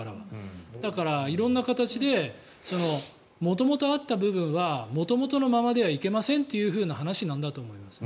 だから、色んな形で元々あった部分は元々のままではいけませんという話なんだと思います。